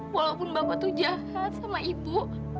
walaupun bapak tuh jahat sama ibu